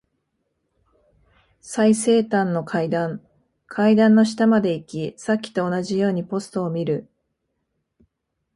最西端の階段。階段の下まで行き、さっきと同じようにポストを見る。